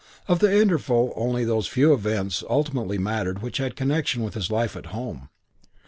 Of the interval only those few events ultimately mattered which had connection with his life at home.